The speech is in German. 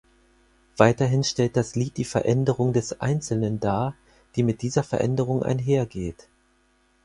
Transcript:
Weiterhin stellt das Lied die Veränderung des Einzelnen dar, die mit dieser Veränderung einhergeht.